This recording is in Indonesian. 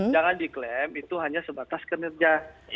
jangan diklaim itu hanya sebatas kinerja